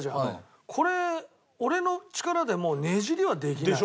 これ俺の力でもねじりはできない。